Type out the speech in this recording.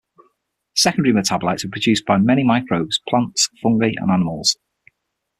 Secondary metabolites are produced by many microbes, plants, fungi and animals.